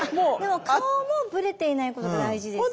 顔もブレていないことが大事です。